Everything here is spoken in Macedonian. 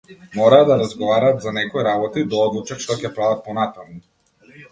Мораа да разговараат за некои работи, да одлучат што ќе прават понатаму.